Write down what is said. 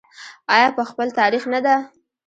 آیا په خپل تاریخ نه ده؟